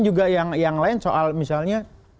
juga yang lain soal misalnya